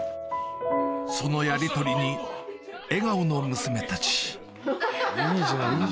そのやりとりに笑顔の娘たち